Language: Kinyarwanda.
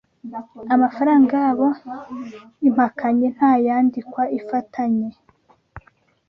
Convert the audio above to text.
Amafarang yabo Impakanyi nta yandikwa ifatanye